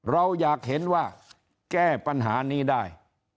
เราอยากเห็นว่าแก้ปัญหานี้ได้